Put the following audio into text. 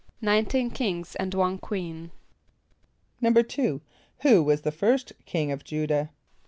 =Nineteen kings and one queen.= =2.= Who was the first king of J[=u]´dah?